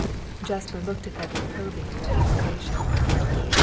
Jasper looked at Edward Povey for approbation.